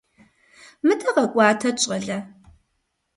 Мыдэ къэкӀуатэт, щӀалэ.